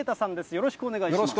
よろしくお願いします。